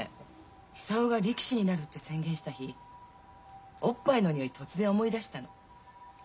久男が力士になるって宣言した日おっぱいのにおい突然思い出したの。